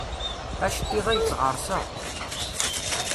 Aceṭṭiḍ-a yettɣersa.